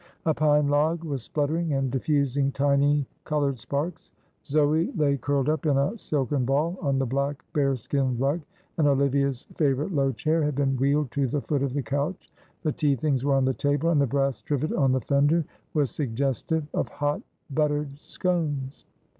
A pine log was spluttering and diffusing tiny coloured sparks. Zoe lay curled up in a silken ball on the black bearskin rug, and Olivia's favourite low chair had been wheeled to the foot of the couch, the tea things were on the table, and the brass trivet on the fender was suggestive of hot buttered scones.